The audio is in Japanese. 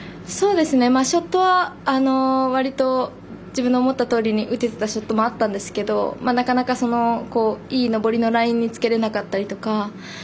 ショットは割と自分の思ったとおりに打ててたショットもあったんですけど、なかなかいい上りのラインにつけれなかったりとか。